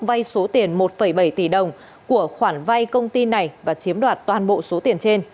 vay số tiền một bảy tỷ đồng của khoản vay công ty này và chiếm đoạt toàn bộ số tiền trên